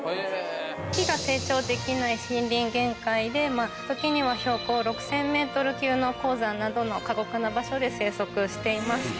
木が成長できない森林限界で、時には標高６０００メートル級の高山などの過酷な場所で生息しています。